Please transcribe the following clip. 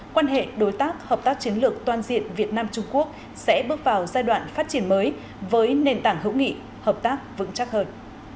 quan hệ đối tác hợp tác chiến lược toàn diện việt nam trung quốc sẽ bước vào giai đoạn phát triển mới với nền tảng hữu nghị hợp tác vững chắc hơn